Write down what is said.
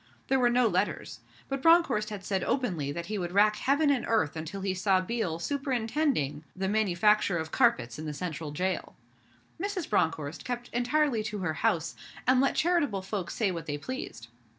There were no letters; but Bronckhorst said openly that he would rack Heaven and Earth until he saw Biel superintending the manufacture of carpets in the Central Jail. Mrs. Bronckhorst kept entirely to her house, and let charitable folks say what they pleased.